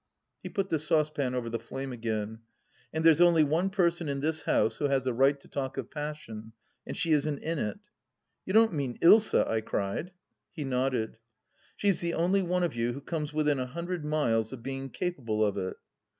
He put the saucepan over the flame again. " And there's only one person in this house who has a right to talk of passion, and she isn't in it 1 "" You don't mean Ilsa ?" I cried. He nodded. " She's the only one of you who comes within a hundred miles of being capable of it."